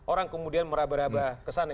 orang kemudian meraba raba kesana